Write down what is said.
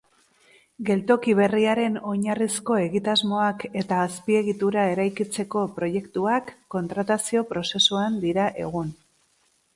Geltoki berriaren oinarrizko egitasmoak eta azpiegitura eraikitzeko proiektuak kontratazio prozesuan dira egun.